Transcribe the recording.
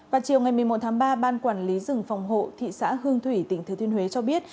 vào chiều một mươi một ba ban quản lý rừng phòng hộ thị xã hương thủy tỉnh thứ thuyên huế cho biết